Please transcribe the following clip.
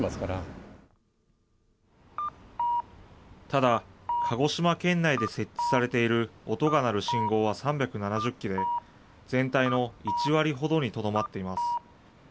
ただ、鹿児島県内で設置されている音が鳴る信号は３７０基で、全体の１割ほどにとどまっています。